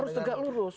harus tegak lurus